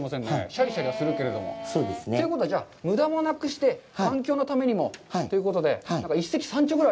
シャリシャリはするけれども。ということはじゃあ無駄もなくして環境のためにもということで、一石三鳥ぐら